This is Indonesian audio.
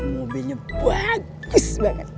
mobilnya bagus banget